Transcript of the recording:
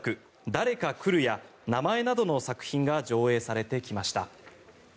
「だれか、来る」や「名前」などの作品が上演されてきました。